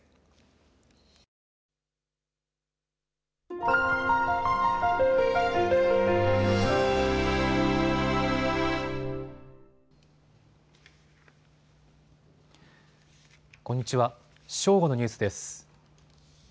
正午のニュースです。